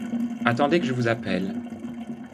Attendez que je vous appelle.